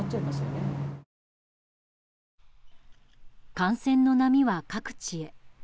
感染の波は各地へ。